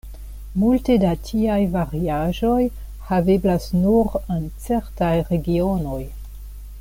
Multe da tiaj variaĵoj haveblas nur en certaj regionoj.